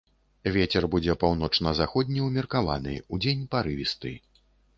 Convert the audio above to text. Вецер будзе паўночна-заходні ўмеркаваны, удзень парывісты.